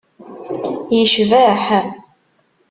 yecbeḥ.